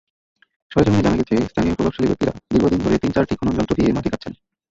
সরেজমিনে জানা গেছে, স্থানীয় প্রভাবশালী ব্যক্তিরা দীর্ঘদিন ধরে তিন-চারটি খননযন্ত্র দিয়ে মাটি কাটছেন।